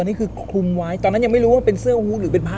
นี่คือคลุมไว้ตอนนั้นยังไม่รู้ว่าเป็นเสื้อหูหรือเป็นผ้า